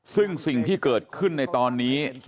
ซึ่งสิ่งที่เกิดขึ้นในตอนนี้